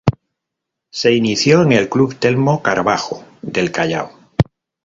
Se inició en el club Telmo Carbajo del Callao.